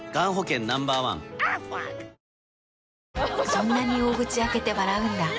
そんなに大口開けて笑うんだ。